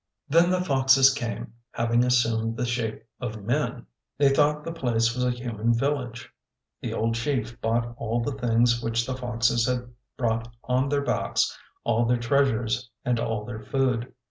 Then the foxes came, having assumed the shape of men. They thought the place was a human village. The old chief bought all the things which the foxes had brought on their backs, all their treasures and all their food.